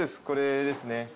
これですね